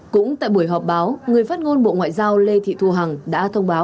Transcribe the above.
cũng tại buổi họp báo người phát ngôn bộ ngoại giao lê thị thu hằng đã thông báo